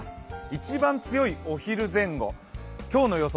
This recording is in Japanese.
一番強いお昼前後、今日の予想